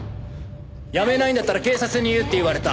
やめないんだったら警察に言うって言われた。